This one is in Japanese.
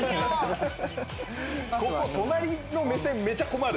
ここ隣の目線めちゃ困る。